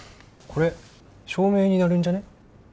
これ証明になるんじゃね？